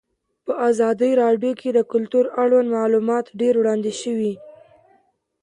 په ازادي راډیو کې د کلتور اړوند معلومات ډېر وړاندې شوي.